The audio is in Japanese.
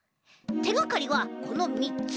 てがかりはこのみっつ。